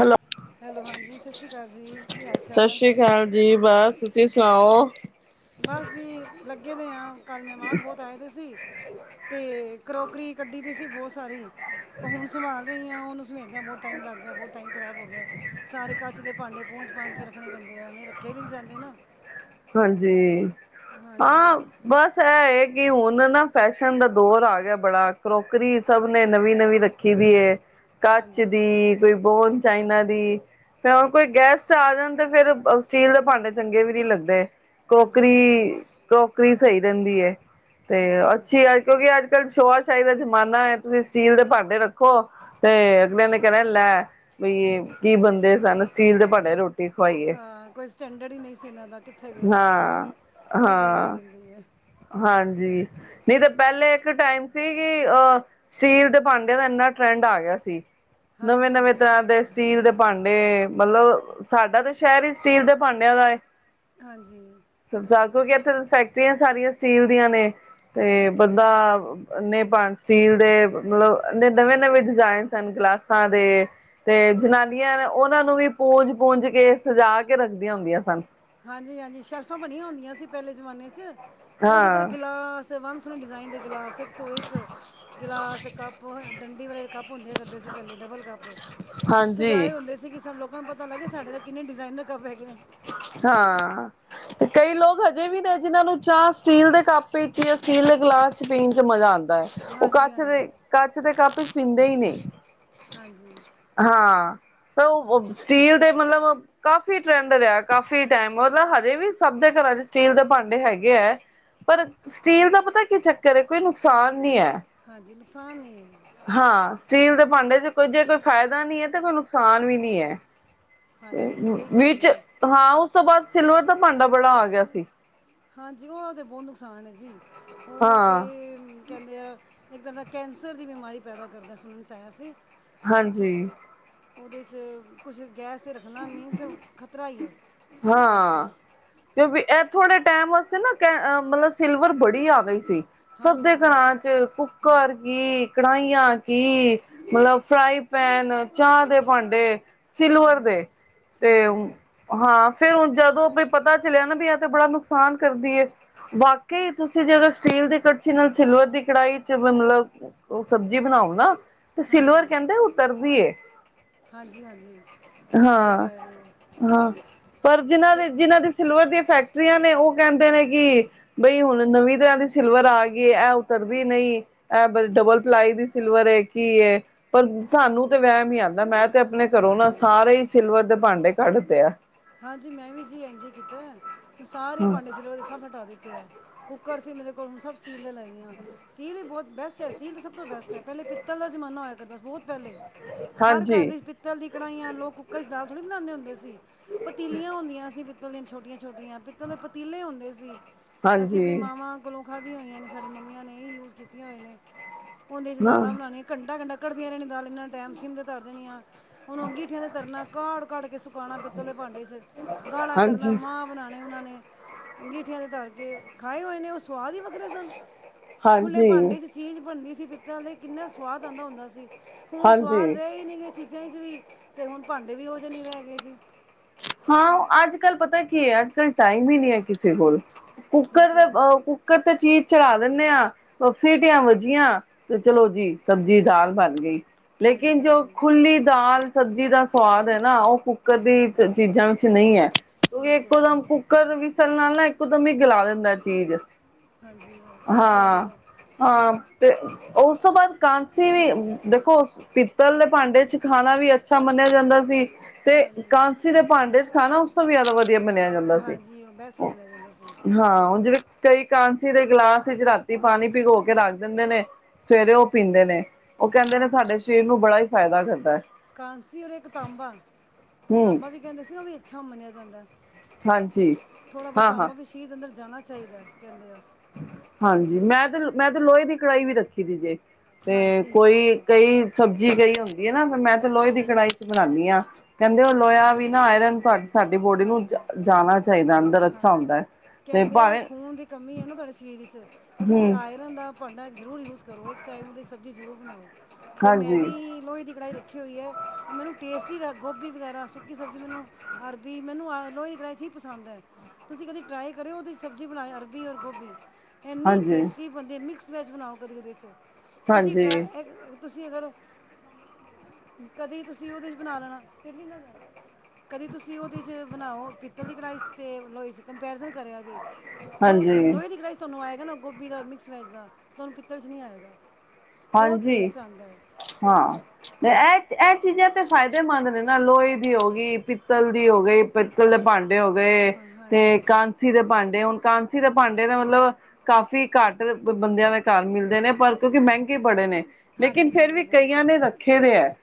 Hello hello, ਹਾਂਜੀ। ਸਤਿ ਸ੍ਰੀ ਅਕਾਲ ਜੀ, ਕੀ ਹਾਲ -ਚਾਲ ਸਤਿ ਸ੍ਰੀ ਅਕਾਲ ਜੀ, ਬਸ ਤੁਸੀਂ ਸੁਣਾਓ। ਬਸ ਵੀ ਲੱਗੇ ਦੇ ਹਾਂ, ਕੱਲ ਮਹਿਮਾਨ ਬਹੁਤ ਆਏ ਦੇ ਸੀ ਤੇ ਕਰੋਕਰੀ ਕੱਢੀ ਦੀ ਸੀ ਬਹੁਤ ਸਾਰੀ, ਹੁਣ ਸੰਭਾਲ ਰਹੀ ਆ, ਉਹਨੂੰ ਸਮੇਟ ਦਿਆਂ ਬਹੁ ਟਾਈਮ ਲੱਗ ਗਿਆ, ਬਹੁਤ ਟਾਈਮ ਖ਼ਰਾਬ ਹੋ ਗਿਆ ਸਾਰੇ ਕੱਚ ਦੇ ਭਾਂਡੇ ਪੂੰਝ- ਪਾਝਂ ਕੇ ਰੱਖਣੇ ਪੈਂਦੇ ਆ, ਐਵੇਂ ਰੱਖੇ ਵੀ ਨਹੀਂ ਜਾਂਦੇ ਨਾ ਹਾਂਜੀ, ਹਾਂਜੀ ਆ ਬਸ ਇਹ ਐ ਕਿ ਹੁਣ ਨਾ ਫੈਸ਼ਨ ਦਾ ਦੌਰ ਆ ਗਿਆ ਬੜਾ, ਕਰੋਕਰੀ ਸਭ ਨੇ ਨਵੀਂ- ਨਵੀਂ ਰੱਖੀ ਰਖੀ ਦੀ ਹੈ, ਕੱਚ ਹਾਂਜੀ ਦੀ, ਕੋਈ ਬੋਨ ਚਾਈਨਾ ਦੀ ਤੇ ਕੋਈ ਗੈਸਟ ਆ ਜਾਣ ਤੇ ਫੇਰ ਸਟੀਲ ਦੇ ਭਾਂਡੇ ਚੰਗੇ ਵੀ ਨੀ ਲੱਗਦੇ ਹਾਂਜੀ ਕਰੋਕਰੀ ਹਾਂਜੀ -ਕਰੋਕਰੀ ਸਹੀ ਰਹਿੰਦੀ ਹੈ। ਤੇ ਬਿਲਕੁਲ ਅੱਛੀ ਕਿਉਂਕਿ ਅੱਜ- ਕੱਲ੍ਹ ਸ਼ੋਆਸ਼ਾਹੀ ਦਾ ਜ਼ਮਾਨਾ ਹੈ। ਤੁਸੀਂ ਸਟੀਲ ਦੇ ਭਾਂਡੇ ਰੱਖੋ। ਤੇ ਅਗਲਿਆਂ ਨੇ ਕਹਿਣਾ ਲੈ, ਬਈ ਕੀ ਬੰਦੇ ਸਨ। ਸਟੀਲ ਦੇ ਭਾਂਡਿਆਂ 'ਚ ਰੋਟੀ ਖਵਾਈਏ ਆ, ਕੋਈ ਸਟੈਂਡਰਡ ਹੀ ਨਹੀਂ ਸੀ ਇਹਨਾਂ ਦਾ, ਕਿੱਥੇ ਗਏ ਸਾਂ ਅਸੀਂ, ਹਾਂ ਉਹੀ ਗੱਲ ਆ ਹਾਂ ਜਾਂਦੀ ਐ। ਹਾਂਜੀ। ਨਹੀਂ ਤਾਂ ਪਹਿਲੇ ਇੱਕ ਟਾਈਮ ਸੀ ਕਿ ਅਹ ਸਟੀਲ ਦੇ ਭਾਂਡਿਆਂ ਦਾ ਇੰਨਾ ਟਰੈਂਡ ਆ ਗਿਆ ਸੀ, ਨਵੇਂ- ਹਾਂਜੀ ਨਵੇਂ ਤਰ੍ਹਾਂ ਦੇ ਸਟੀਲ ਦੇ ਭਾਂਡੇ, ਮਤਲਬ ਸਾਡਾ ਤਾ ਸ਼ਹਿਰ ਹੀ ਸਟੀਲ ਦੇ ਭਾਂਡਿਆਂ ਦਾ ਐ। ਹਾਂਜੀ ਕਿਉਂਕਿ ਇੱਥੇ ਫੈਕਟਰੀਆਂ ਸਾਰੀਆਂ ਸਟੀਲ ਦੀਆਂ ਨੇ ਤੇ ਬੰਦਾ ਹਾਂਜੀ ਸਟੀਲ ਦੇ ਮਤਲਬ ਨਵੇਂ -ਨਵੇਂ ਡਿਜ਼ਾਇਨ ਸ ਗਲਾਸਾਂ ਦੇ ਤੇ ਜਨਾਨੀਆਂ ਉਹਨਾਂ ਨੂੰ ਵੀ ਪੂੰਜ- ਪੂੰਜ ਕੇ ਸਜਾ ਕੇ ਰੱਖਦੀਆਂ ਹੁੰਦੀਆਂ ਸਨ। ਹਾਂਜੀ-ਹਾਂਜੀ ਸ਼ੈਲਫਾਂ ਬਣੀਆਂ ਹੁੰਦੀਆਂ ਸੀ। ਪਹਿਲੇ ਜ਼ਮਾਨੇ ' ਉਹਦੇ ਉੱਪਰ ਹਾਂ ਗਿਲਾਸ ਵੰਨ ਸੁਵੰਨੇ ਡਿਜ਼ਾਇਨ ਦੇ ਗਿਲਾਸ ਇੱਕ ਤੋਂ ਇੱਕ ਗਿਲਾਸ ਕੱਪ ਡੰਡੀ ਵਾਲੇ ਕੱਪ ਹੁੰਦੇ ਕਰਦੇ ਸੀ, ਪਹਿਲੇ ਡਬਲ ਕੱਪ। ਸਜਾਏ ਹਾਂਜੀ ਹੁੰਦੇ ਸੀ। ਕਿ ਸਾਨੂੰ ਲੋਕਾਂ ਨੂੰ ਪਤਾ ਲੱਗੇ। ਸਾਡੇ ਨਾਲ ਕਿੰਨੇ ਡਿਜ਼ਾਇਨ ਰੱਖ ਪੈਗੇ ਨੇ ਹਾਂ ਤੇ ਕਈ ਲੋਕ ਅਜੇ ਵੀ ਨੇ ਜਿਹਨਾਂ ਨੂੰ ਚਾਹ ਸਟੀਲ ਦੇ ਕੱਪ ਵਿੱਚ ਜਾਂ ਸਟੀਲ ਦੇ ਗਲਾਸ ਚ ਪੀਣ ਚ ਮਜ਼ਾ ਆਉਂਦਾ ਹੈ। ਉਹ ਹਾਂਜੀ ਕੱਚ ਦੇ ਹਾਂਜੀ ਕੱਚ ਦੇ ਕੱਪ ਚ ਪੀਂਦੇ ਹੀ ਨਹੀਂ ਹਾਂਜੀ ਹਾਂ ਤਾਂ ਉਹ ਸਟੀਲ ਦੇ ਮਤਲਬ ਕਾਫੀ ਟਰੈਂਡ ਰਿਹਾ ਕਾਫ਼ੀ ਟਾਈਮ, ਮਤਲਬ ਹਜੇ ਵੀ ਸਭ ਦੇ ਘਰਾਂ ਚ ਸਟੀਲ ਦੇ ਭਾਂਡੇ ਹੈਗੇ ਐ। ਪਰ ਸਟੀਲ ਦਾ ਪਤਾ ਕੀ ਚੱਕਰ ਐ, ਕੋਈ ਨੁਕਸਾਨ ਨੀ ਐ। ਹਾਂਜੀ। ਨੁਕਸਾਨ ਹੀ ਹੈ। ਸਟੀਲ ਦੇ ਭਾਂਡੇ 'ਚ ਕੋਈ ਜੇ ਕੋਈ ਫ਼ਾਇਦਾ ਨੀ ਨ ਐ ਤੇ ਕੋਈ ਨੁਕ ਨੁਕਸਾਨ ਵੀ ਨੀ ਹੈ। ਤੇ ਹਾਂਜੀ ਸਹੀ ਕਹਿ ਰਹੇ ਵਿੱਚ ਹੋ ਹਾਂ। ਉਸ ਤੋਂ ਬਾਅਦ ਸਿਲਵਰ ਦਾ ਭਾਂਡਾ ਬੜਾ ਆ ਗਿਆ ਸੀ। ਹਾਂਜੀ ਉਹ ਤੇ ਬਹੁਤ ਨੁਕਸਾਨ ਹੈ ਜੀ ਉਹ ਤੇ ਹਾਂ ਕਹਿੰਦੇ ਆ ਇੱਕਦਾਂ ਦਾ ਕੈਂਸਰ ਦੀ ਬਿਮਾਰੀ ਪੈਦਾ ਕਰਦਾ ਸੁਣਨ ਚ ਆਇਆ ਸੀ ਹਾਂਜੀ ਉਹਦੇ 'ਚ ਕੁਛ ਗੈਸ 'ਤੇ ਰੱਖਣਾ ਮੀਨਸ ਖਤਰਾ ਹੀ ਹੈ ਹੈਲਥ ਵਾਸਤੇ ਹਾਂ ਕਿਉਂਕਿ ਇਹ ਥੋੜੇ ਟਾਈਮ ਵਾਸਤੇ ਨਾ ਕ ਮਤਲਬ ਸਿਲਵਰ ਬੜੀ ਆ ਗਈ ਸੀ। ਸਭ ਹਾਂਜੀ ਦੇ ਬਹੁਤ ਘਰਾਂ ਚ ਕੁੱਕਰ ਕੀ ਕੜਾਹੀਆਂ ਕੀ ਮਤਲਬ ਫਰਾਈ ਪੈਨ ਚਾਹ ਦੇ ਭਾਂਡੇ ਸਿਲਵਰ ਦੇ ਤੇ ਸਿਲਵਰ ਦੇ ਹਾਂ, ਫੇਰ ਹਣ ਜਦੋਂ ਪਤਾ ਚਲਿਆਂ ਨਾ ਵੀ ਆ ਤੇ ਬੜਾ ਨੁਕਸਾਨ ਕਰਦੀ ਐ। ਬਾਕੀ ਤੁਸੀਂ ਜਦੋਂ ਸਟੀਲ ਦੀ ਕੜਛੀ ਨਾਲ ਸਿਲਵਰ ਦੀ ਕੜਾਹੀ ਚ ਮਤਲਬ ਉਹ ਸਬਜ਼ੀ ਬਣਾਓ ਨਾ ਤੇ ਸਿਲਵਰ ਹਾਂਜੀ ਕਹਿੰਦੇ ਉਤਰਦੀ ਹਾਂਜੀ ਹਾਂਜੀ ਸਹੀ ਕਹਿ ਰਹੇ ਹੋ ਹਾਂ-ਹਾਂ ਪਰ ਜਿਹਨਾਂ ਅਤੇ ਦੇ ਜਿਹਨਾਂ ਦੀ ਸਿਲਵਰ ਦੀਆਂ ਫੈਕਟਰੀਆਂ ਨੇ ਉਹ ਕਹਿੰਦੇ ਨੇ ਕਿ ਬਈ ਹੁਣ ਨਵੀਂ ਦੇੀ ਸਿਲਵਰ ਆ ਗਈ ਇਹ ਉਤਰਦੀ ਨਹੀਂ ਇਹ ਡਬਲ ਪਲਾਈ ਦੀ ਸਿਲਵਰ ਕੀ ਹੈ। ਪਰ ਸਾਨੂੰ ਤੇ ਵਹਿਮ ਹੀ ਆਉਂਦਾ ਮੈਂ ਤੇ ਆਪਣੇ ਘਰੋਂ ਨਾ ਹਾਂਜੀ ਸਾਰੇ ਹੀ ਸਿਲਵਰ ਦੇ ਭਾਂਡੇ ਕੱਢਦੇ ਆ। ਹਾਂਜੀ, ਮੈਂ ਵੀ ਜੀ ਐਜ ਹੀ ਕੀਤਾ, ਮੈਂ ਸਾਰੇ ਪਾਂਡੇ ਸਿਲਵਰ ਦੇ ਸਬ ਹੱਟਾ ਦਿੱਤੇ ਆ। ਕੁੱਕਰ ਸੀ ਮੇਰੇ ਕੋਲ ਹੁਣ ਸਭ ਸਟੀਲ ਦੇ ਲੈਏ ਆ, ਸਟੀਲ ਵੀ ਬਹੁਤ ਬੈਸਟ ਐ, ਸਟੀਲ ਸਭ ਤੋਂ ਬੈਸਟ ਐ, ਪਹਿਲੇ ਪਿ ਪਿੱਤਲ ਦਾ ਜ਼ਮਾਨਾ ਹੋਇਆ ਕਰਦਾ ਬਹੁਤ ਪਹਿਲੇ, ਹਰ ਘਰ ਹਾਂਜੀ ਦੀ ਪਿ ਲ ਦੀ ਕੜਾਹੀਆਂ ਲੋਕ ਕੁੱਕਰ ਚ ਦਾਲ ਥੋੜ੍ਹੀ ਬਣਾਉਂਦੇ ਹੁੰਦੇ ਸੀ। ਪਤੀਲੀਆਂ ਹੁੰਦੀਆਂ ਸੀ। ਪਿੱਤਲ ਦੀਆਂ ਛੋਟੀਆਂ- ਛੋਟੀਆਂ ਪਿੱਤਲ ਦੇ ਪਤੀਲੇ ਹੁੰਦੇ ਸੀ। ਅਸੀਂ ਆਪਣੀ ਹਾਂਜੀ ਮਾਵਾਂ ਕੋਲੋਂ ਖਾਦੀਆਂ ਹੋਈਆਂ ਨੇ ਸਾਡੀ ਮੰਮੀਆਂ ਨੇ ਇਹ ਯੂਸ ਕੀਤੀਆਂ ਹੋਏ ਨੇ। ਉਹਦੇ ਚ ਨਾ ਦਾਲਾਂ ਬਣਾਈਆਂ ਘੰਟਾ ਘੰਟਾ ਘਡਦੀਆਂ ਰਹਿਣੀਆਂ ਦਾਲ ਇੰਨਾ ਟੈਮ ਸੀਮ ਤੇ ਤਰ ਦੇਣੀ ਆ, ਹੁਣ ਅੰਗੀਠੀਆਂ ਤੇ ਤਰਨਾ ਕਾੜ ਕਾੜ ਕੇ ਸੁਕਾਣਾ ਪਿੱਤਲੇ ਭਾਂਡੇ ਚ ਗਾਲਾ ਕਰਨਾ ਹਾਂਜੀ ਮਾਂ ਬਣਾਉਣੇ ਉਹਨਾਂ ਨੇ ਅੰਗਠੀਆਂ ਦੇ ਤਰ ਕੇ, ੍ਰਖਾਏ ਹੋਏ ਨੇ ਉਹ ਸਵਾਦ ਹੀ ਵੱਖਰੇ ਸਨ। ਖੁੱਲੇ ਹਾਂਜੀ ਭਾਂਡੇ ਚ ਚੀਜ਼ ਬਣਦੀ ਸੀ। ਪਿੱਤਲਤੇ ਕਿੰਨਾ ਸਵਾਦ ਆਹਂਦਾ ਹੁੰਦਾ ਸੀ। ਹੁਣ ਸਵਾਦ ਹਾਂਜੀ ਰਹੇ ਹੀ ਨਹੀਂ ਗ ਚੀਜ਼ਾਂ 'ਚ ਵੀ ਅਤੇ ਹੁਣ ਭਾਂਡੇ ਵੀ ਉਹ ਜਿਹੇ ਨਹੀਂ ਰਹਿ ਗਏ ਜੀ। ਹਾਂ। ਅੱਜ ਕੱਲ ਪਤਾ ਕੀ ਹੈ। ਅੱਜ ਕੱਲ ਟਾਈਮ ਹੀ ਨਹੀ ਹੈ ਕਿਸੇ ਕੋਲ ਕੁੱਕਰ ਦੇ ਬਿਲਕੁਲ ਪ ਕੁ ਕੁਕਰ ਤੇ ਚੀਜ਼ ਚਲਾ ਦਿੰਦੇ ਆਾਂ ਸੀਟੀਆਂ ਵੱਜੀਆਂ ਤੇ ਚਲੋ ਜੀ ਸਬਜ਼ੀ ਦਾਲ ਬਣ ਗਈ ਲੇਕਿ ਜੋ ਹਾਂਜੀ-ਹਾਂਜੀ ਖੁੱਲ੍ਹੀ ਦਾਲ ਸਬਜ਼ੀ ਦਾ ਸਵਾਦ ਹੈ ਨਾ ਉਹ ਕੁੱਕਰ ਦੀ ਚੀਜ਼ਾਂ ਵਿੱਚ ਨਹੀਂ ਹੈ ਕਿਉਂਕਿ ਬਿਲਕੁਲ ਸਹੀ ਇੱਕੋਦਮ ਕੁ ਵਸਲ ਨਾਲ ਨਾ ਇੱਕ ਦਮ ਹੀ ਗਲਾ ਦਿੰਦਾ ਚੀਜ਼ ਹਾਂਜੀ ਸਹੀ ਕਹਿ ਰਹੇ ਹਾਂ ਹੋ ਹਾਂ ਤੇ ਉਸ ਤੋਂ ਬਾਅਦ ਕਾਂਸੀ ਵੀ ਦੇਖੋ ਪਿੱਤਲ ਦੇ ਭਾਂਡੇ ਚ ਖਾਣਾ ਵੀ ਅੱਛਾ ਮੰਨਿਆ ਜਾਂਦਾ ਸੀ ਤੇ ਹਾਂਜੀ ਸੀ ਦੇ ਭਾਂਡੇ ਚ ਖਾ ਨਾ ਉਸ ਤੋਂ ਵੀ ਜ਼ਿਆਦਾ ਵਧੀਆ ਮੰਨਿਆ ਜਾਂਦਾ ਸੀ ਹਾਂਜੀ ਉਹ ਬੈਸਟ ਮੰਨਿਆ ਜਾਂਦਾ ਸਹੀ ਹਾਂ ਕਹਿ ਹੁਣ ਰਹੇ ਹੋ। ਜਿਵੇਂ ਕਈ ਕਾਂਸੀ ਦੇ ਗਿਲਾਸ ਵਿੱਚ ਰਾਤੀ ਪਾਣੀ ਭਿਗੋ ਕੇ ਰੱਖ ਦਿੰਦੇ ਨੇ ਸਵੇਰੇ ਉਹ ਪੀਂਦੇ ਨੇ ਉਹ ਕਹਿੰਦੇ ਨੇ ਹਾਂਜੀ ਸਾਡੇ ਸਰੀਰ ਨੂੰ ਬੜਾ ਹੀ ਫਾਇਦਾ ਕਰਦਾ ਹੈ ਕਾਂਸੀ ਔਰ ਇੱਕ ਤਾਂਬਾ ਹਮ ਤਾਂਬਾ ਵੀ ਕਹਿੰਦੇ ਸੀ ਨਾ ਵੀ ਅੱਛਾ ਮੰਨਿਆ ਜਾਂਦਾ ਹਾਂਜੀ ਥੋੜਾ ਹਾਂ ਬਹੁਤਾ ਹਾਂ ਅੰਮਾ ਵੀ ਸ਼ਹੀਦ ਅੰਦਰ ਜਾਣਾ ਚਾਹੀਦਾ ਹੈ ਕਹਿੰਦੇ ਆ ਹਾਂਜੀ ਮੈਂ ਤੇ ਮੈਂ ਤੇ ਲੋਹੇ ਦੀ ਕੜਹੀ ਵੀ ਰੱਖੀ ਸੀ ਜੇ। ਤੇ ਹਾਂਜੀ ਕੋਈ ਕਈ ਸਬਜ਼ੀ ਗਈ ਹੁੰਦੀ ਹੈ ਨਾ ਮੈਂ ਤੇ ਲੋਹੇ ਦੀ ਕੜਹੀ ਚ ਬਣਾਉਂਦੀ ਹਾਂ ਕਹਿੰਦੇ ਉਹ ਲੋਇਆ ਵੀ ਨਾ ਆਇਰਨ ਸਾਡੀ ਬੋਡੀ ਨੂੰ ਹਾਂਜੀ ਜਾਣਾ ਚਾਹੀਦਾ ਅੰਦਰ ਅੱਛਾ ਹੁੰਦਾ ਹੈ ਤੇ ਕਹਿੰਦੇ ਅਗਰ ਭਾਵੇਂ ਖੂਨ ਦੀ ਕਮੀ ਹੈ ਨਾ ਤੁਹਾਡੇ ਸਰੀਰ ਚ ਤੇ ਤੁਸੀਂ ਹਮ ਆਏ ਪਰਾਂ ਦਾ ਭਾਂਡਾ ਜ਼ਰੂਰ ਯੂਜ ਕਰੋ ਇੱਕ ਟਾਈਮ ਦੀ ਸਬਜ਼ੀ ਜ਼ਰੂਰ ਬਣਾਓ ਅਤੇ ਮੈਂ ਹਾਂਜੀ ਵੀ ਲੋਹੇ ਦੀ ਕੜਾਹੀ ਰੱਖੀ ਹੋਈ ਹੈ ਮੈਨੂੰ ਟੇਸਟੀ ਗੋਭੀ ਵਗੈਰਾ ਸੁੱਕੀ ਸਬਜ਼ੀ ਮੈਨੂੰ ਵੀ ਮੈਨੂੰ ਆ ਲੋਹੇ ਕੜਾਈਚ ਹੀ ਪਸੰਦ ਹੈ ਤੁਸੀਂ ਕਦੀ ਟਰਾਈ ਕਰਿਓ ਉਹਦੀ ਸਬਜ਼ੀ ਬਣਾਇਓ ਅਰਬੀ ਔਰ ਗੋਭੀ ਇੰਨੀ ਹਾਂਜੀ ਟੇਸਟੀ ਬਣਦੀ ਹੈ ਮਿਕਸ ਵੈੱਜ ਬਣਾਓ ਕਦੇ ਉਹਦੇ 'ਚ ਤੁਸੀਂ ਹਾਂਜੀ ਟਰਾ ਤੁਸੀਂ ਕਰੋ ਕਦੇ ਤੁਸੀਂ ਉਹਦੇ ਚ ਬਣਾ ਲੈਣਾ ਕਦੇ ਤੁਸੀਂ ਉਹ 'ਚ ਬਣਾਓ ਪਿੱਤਲ ਦੀ ਕੜਾਈ ਚ' ਤੇ ਲੋਹੇ 'ਚ ਕੰਪੈਰੀਜ਼ਨ ਕਰਿਆ ਜੇ, ਜੋਟੇ ਹਾਂਜੀ ਲੋਹੇ ਦੀ ਕੜਾਈ ਤੁਹਾਨੂੰ ਆਏਗਾ ਨਾ ਗੋਭੀ ਦਾਔਰ ਮਿਕਸ ਵੈਜ ਦਾ ਤੁਹਾਨੂੰ ਪਿੱਤ ਚ ਨਹੀਂੀ ਆਏਗਾ ਬਹੁਤ ਹਾਂਜੀ ਟੇਸਟ ਆਉਂਦਾ ਹੈ ਹਾਂ। ਇਹ ਇਹ ਚੀਜ਼ਾਂ ਤੇ ਫਾਇਦੇਮੰਦ ਨੇ ਨਾ ਲੋਹੇ ਦੀ ਹੋ ਗਈ, ਪਿੱਤਲ ਦੀ ਹੋ ਗਈ ਪਿੱਤਲ ਦੇ ਭਾਂਡੇ ਮਾਂਡੇ ਹੋ ਗਏ ਹਾਂ ਤੇ ਹਾਂਜੀ ਕਾਂਸੀ ਦੇ ਭਾਂਡੇ ਹੁਣ ਕਾਂਸੀ ਦੇ ਭਾਂਡੇ ਦਾ ਮਤਲਬ ਕਾਫ਼ੀ ਘੱਟ ਬੰਦਿਆਂ ਦੇ ਘਰ ਮਿਲਦੇ ਨੇ ਪਰ ਕਿਉਂਕਿ ਮਹਿੰਗੇ ਬੜੇ ਨੇ ਹਾਂਜੀ ਲੇਕਿਨ ਫੇਿਰ ਮਹਿੰਗੇ ਵੀ ਬਹੁਤ ਕਈਆਂ ਹੈ ਨੇ ਰੱਖੇ ਦੇ ਹੈ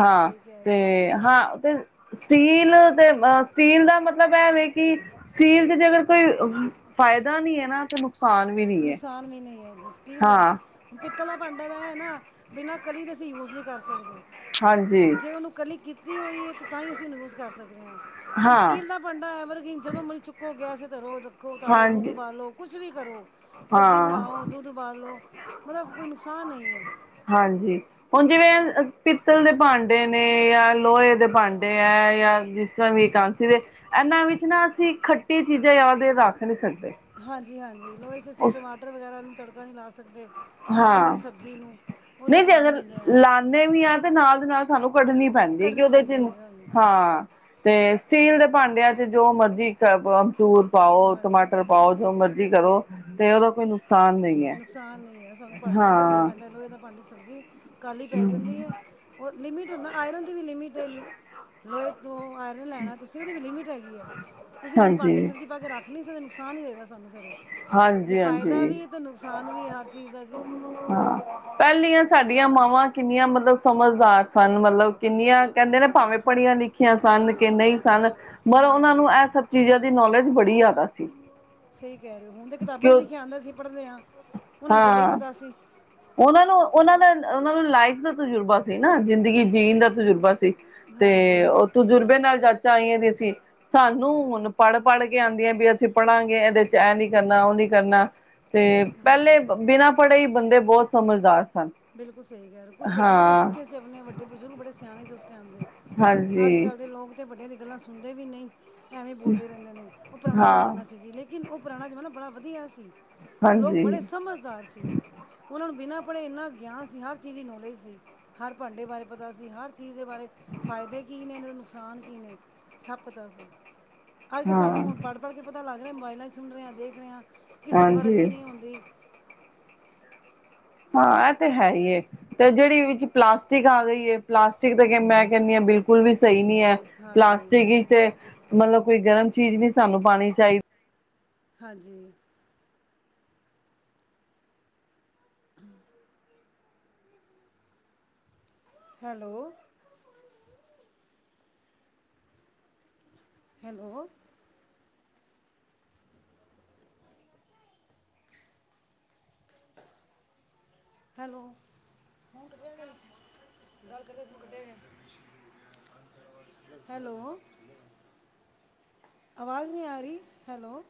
ਹਾਂ ਸਹੀ ਕਹਿ ਰਹੇ ਤੇ ਹੋ ਆਪ ਹਾਂ ਤੇ ਸਟੀਲ ਤੇ ਅ ਸਟੀਲ ਦਾ ਮਤਲਬ ਐਵੇਂ ਕਿ ਸਟੀਲ ਤੇ ਜੇ ਅਗਰ ਕੋਈ ਫਾਇਦਾ ਨੀ ਹੈ ਨਾ ਤੇਨ ਨੁਕਸਾਨ ਵੀ ਨਹੀਂ ਹੈ ਜੀ ਦਾ ਹਾਂ ਪਿੱਤਲਾ ਭਾਂਡਾ ਤਾਂ ਹੈ ਨਾ ਬਿਨਾਂ ਕਲੀ ਦੇ ਅਸੀਂ ਯੂਜ ਨਹੀਂ ਕਰ ਸਕਦੇ। ਹਾਂਜੀ ਜੇ ਉਹਨੂੰ ਇਕੱਲੀ ਕੀਤੀ ਹੋਈ ਹੈ ਤੇ ਤਾਂ ਹੀ ਅਸੀਂ ਉਹਨੂੰ ਯੂਜ ਕਰ ਸਕਦੇ ਹਾਂ ਤੇ ਹਾਂ ਸਟੀਲ ਦਾ ਪੰੰਡਾ ਹੈ ਮਰ ਕਿ ਜਦੋਂ ਮਰੀ ਚੁੱਕੋ ਗੈਸ ਧਰੋ ਰੱਖੋ ਉਤਾਰੋ ਦੁੱਧ ਹਾਂਜੀ ਬਾਲੋ ਕੁਛ ਵੀ ਕਰੋ ਸਬਜ਼ੀ ਹਾਂ ਬਣਾਓ, ਦੁੱਧ ਉਬਾਲੋ ਮਤਲਬ ਕੋਈ ਨੁਕਸਾਨ ਨਹੀਂ ਹੈ‌ ਹਾਂਜੀ ਹੁਣ ਜਿਵੇਂ ਪਿੱਤਲ ਦੇ ਭਾਂਡੇ ਨੇ, ਜਾਂ ਲੋਹੇ ਦੇ ਭਾਂਡੇ ਹੈ ਜਾਂ ਜਿਸ ਸਮੀਰਕਾਂਤ ਸੀ ਦੇ ਇਹਨਾਂ ਵਿੱਚ ਨਾ ਅਸੀਂ ਖੱਟੀ ਚੀਜ਼ਾਂ ਯਦ ਰੱਖ ਨੀ ਸਕਦੇ ਹਾਂਜੀ ਹਾਂਜੀ ਲੋਈ 'ਚ ਅਸੀਂ ਟਮਾਟਰ ਵਗੈਰਾ ਨੂੰ ਤੜਕਾ ਨਹੀਂ ਲਾ ਸਕਦੇ ਟਮਾਟਰ ਵਾਲੀ ਹਾਂ ਸਬਜ਼ੀ ਨੂੰ ਉਹ ਨਹੀਂ ਜੇ ਨੁਕਸਾਨ ਅਗਰ ਦਿੰਦੇ ਆ ਲਾਉਦੇ ਵੀ ਆ ਤੇ ਨਾਲ ਦੀ ਨਾਲ ਸਾਨੂੰ ਕੱਢਣੀ ਪੈਂਦੀ ਹੈ ਕਿ ਕੱਢਣੀ ਉਹਦੇ ਚ ਪੈਂਦੀ ਹੈ ਹਾਂਜੀ ਹਾਂ ਤੇ ਸਟੀਲ ਦੇ ਭਾਂਡਿਆਂ ਚ ਜੋ ਮਰਜੀੀ ਅਸੂਰ ਪਾਓ ਹਾਂਜੀ ਟਮਾਟਰ ਪਾਓ ਜੋ ਮਰਜ਼ੀ ਕਰੋ ਤੇ ਉਹਦਾ ਕੋਈ ਨੁਕਸਾਨ ਨਹੀਂ ਹੈ। ਨੁਕਸਾਨ ਨਹੀਂ ਹੈ ਸਾਨੂੰ ਭਾਂਡੇ ਹੀ ਕੱਢਨਾ ਹੀ ਹਾਂ ਪੈਂਦਾ ਲੋਹੇ ਦਾ ਭਾਂਡਡੀ ਸਬਜ਼ੀ ਕਾਹਲੀ ਪੈ ਜਾਂਦੀ ਹੈ ਉਹ ਲਿਮਿਟ ਹੁੰਦਾ ਆਇਰਨ ਦੀ ਵੀ ਲਿਮਿਟ ਹੈ ਲੋਹੇ ਤੋਂ ਆਇ ਲੈਣਾ ਤੁਸੀਂ ਉਹਦੀ ਵੀ ਲਿਮਿਟ ਹੈਗੀ ਹੈ ਤੁਸੀਂ ਹਾਂਜੀ ਵਿੱਚਾਂਡੇ ਸਮਝੀ ਪਾ ਕੇ ਰੱਖ ਨਹੀਂੇ ਨੁਕਸਾਨ ਹੀ ਦੇਵੇਗਾ ਸਾਨੂੰ ਫੇਿਰ ਉਹ ਜੇ ਫਾਇਦਾ ਵੀ ਹਾਂਜੀ-ਹਾਂਜੀ। ਹੈ ਤਾਂ ਨੁਕਸਾਨ ਵੀ ਹੈ ਹਰ ਚੀਜ਼ ਦਾ ਜੀ ਹਾਂ। ਪਹਿਲੀਆਂ ਸਾਡੀਆਂ ਮਾਵਾਂ ਕਿੰਨੀਆਂ ਮਤਲਬ ਸਮਝਦਾਰ ਸਨ। ਮਤਲਬ ਕਿੰਨੀਆਂ ਕਹਿੰਦੇ ਨੇ ਭਾਵੇਂ ਪੜ੍ਹੀਆਂ ਲਿਖੀਆਂ ਸਨ। ਕਿ ਨਹੀਂ ਸਨ। ਮਲਬ ਉਹਨਾਂ ਹਾਂਜੀ ਨੂੰ ਇਹ ਸਭ ਚੀਜ਼ਾਂ ਦੀ ਨੌਲੇਜ ਬੜੀ ਜ਼ਿਆਦਾ ਸੀ। ਸਹੀ ਕਹਿ ਰਹੇ ਹੋ ਹੁਣ ਤਾਂ ਕਿਤਾਬਾਂ ' ਕਿਉਂ ਲਿਖਿਆ ਆਉਂਦਾ ਸੀ ਪੜ੍ਹਦੇ ਹਾਂ ਉਹਨਾਂ ਨੂੰ ਪਹਿਲਾਂ ਹੀ ਹਾਂ ਪਤਾ ਸੀ। ਉਹਨਾਂ ਨੂੰ ਉਹਨਾਂ ਦਾ ਉਹਨਾਂ ਨੂੰ ਲਾਈਫ ਦਾ ਤਜੁਰਬਾ ਸੀ। ਨਾ ਜ਼ਿੰਦਗੀ ਜੀਣ ਦਾ ਤਜੁਰਬਾ ਸੀ। ਤੇ ਹਾਂਜੀ ਉਹ ਤਜੁਰਬੇ ਨਾਲ ਜਾਚਾ, ਆਈਆਂ ਦੀ ਅਸੀਂ ਸਾਨੂੰ ਹੁਣ ਪੜ੍ਹ ਪੜ੍ਹ ਕੇ ਆਉਂਦੀਆਂ ਵੀ ਅਸੀਂ ਪੜਾਂਗੇ, ਇਹਦੇ ਚ ਇਹ ਨੀ ਕਰਨਾ ਉਹ ਨੀ ਕਰਨਾ ਤੇ ਪਹਿਲੇ ਬਿਨਾਂ ਪੜ੍ਹੇ ਈ, ਬੰਦੇ ਬਹੁਤ ਸਮਝਦਾਰ ਸਨ। ਬਿਲਕੁਲ ਸਹੀ ਹੈ। ਯਾਰ ਕੁਝ ਵੱਡਿਆਂ ਕੋਲ ਹਾਂ ਸਿੱਖੇ ਸੀ। ਆਪਣੇ ਵੱਡੇ ਬਜ਼ੁਰਗ ਬੜੇ ਸਿਆਣੇ ਸੀ। ਉਸ ਟਾਈਮ ਦੇ ਹਾਂਜੀ ਅੱਜ ਕੱਲ੍ਹ ਦੇ ਲੋਕ ਤਾਂ ਵੱਡਿਆਂ ਦੀ ਗੱਲਾਂ ਸੁਣਦੇ ਵੀ ਨਹੀਂ। ਐਵੇਂ ਬੋਲਦੇ ਰਹਿੰਦੇ ਨੇ ਉਹ ਪੁਰਾਣਾ ਹਾਂ ਜ਼ਮਾਨਾ ਸੀ ਜੀ ਲੇਕਿਨ ਲੇਕਿਨ, ਉਹ ਪੁਰਾਣਾ ਜ਼ਮਾਨਾ ਬੜਾ ਵਧੀਆ ਸੀ ਲੋਕ ਹਾਂਜੀ ਬੜੇ ਸਮਝਦਾਰ ਸੀ। ਉਹਨਾਂ ਨੂੰ ਬਿਨਾਂ ਪੜ੍ਹੇ ਇੰਨਾ ਗਿਆਨ ਸੀ। ਹਰ ਚੀਜ਼ ਦੀ ਨੌਲੇਜ ਸੀ। ਹਰ ਭਾਂਡੇ ਬਾਰੇ ਪਤਾ ਸੀ। ਹਰ ਇਸ ਚੀਜ਼ ਦੇ ਬਾਰੇ ਫਾਇਦੇ ਕੀ ਨੇ, ਇਹ ਦੇ ਨੁਕਸਾਨ ਕੀ ਨੇ ਸਭ ਪਤਾ ਆ ਸੀ। ਅੱਜ ਕੱਲ ਹਾਂ ਸਾਨੂੰ ਹੁਣ ਪੜ੍ਹ-ਪੜ੍ਹ ਕੇ ਪਤਾ ਲੱਗ ਰਿਹਾ ਮੋਬਾਇਲਾਂ ਚ ਸੁਣ ਰਿਹਾ ਦੇਖ ਰਹੇ ਆ ਕਿ ਸਿਲਵਰ ਹਾਂਜੀ ਅੱਛੀ ਨਹੀਂ ਹੁੰਦੀ। ਹਾਂ, ਇਹ ਤੇ ਹੈ ਹੀ ਹੈ। ਤੇ, ਜਿਹੜੀ ਵਿੱਚ ਪਲਾਸਟਿਕ ਆ ਗਈ ਹੈ। ਪਲਾਸਟਿਕ ਤੇ ਮੈਂ ਕਹਿੰਦੀ ਹਾਂ, ਬਿਲਕੁਲ ਵੀ ਸਹੀ ਨਹੀਂ ਹੈ। ਹਾਂਜੀ ਪਲਾਸਟਿਕ ਤੇ, ਮਤਲਬ ਕੋਈ ਗਰਮ ਚੀਜ਼ ਨਹੀਂ ਸਾਨੂੰ ਪਾਉਣੀ ਚਾਹੀਦੀ। ਹਾਂਜੀ। ਹਮ। ਹੈਲੋ? ਹੈਲੋ? ਹੈਲੋ? ਹੈਲੋ? ਆਵਾਜ਼ ਨੀ ਆ ਰਹੀ। ਹੈਲੋ?